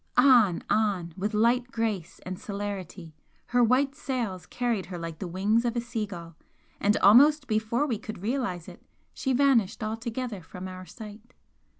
On, on, with light grace and celerity her white sails carried her like the wings of a sea gull, and almost before we could realise it she vanished altogether from our sight!